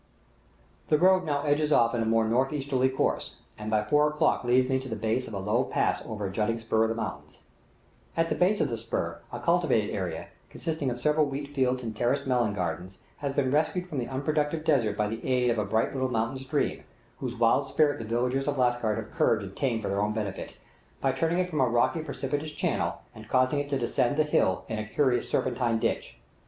The road now edges off in a more northeasterly course, and by four o'clock leads me to the base of a low pass over a jutting spur of the mountains. At the base of the spur, a cultivated area, consisting of several wheat fields and terraced melon gardens, has been rescued from the unproductive desert by the aid of a bright little mountain stream, whose wild spirit the villagers of Lasgird have curbed and tamed for their own benefit, by turning it from its rocky, precipitous channel, and causing it to descend the hill in a curious serpentine ditch.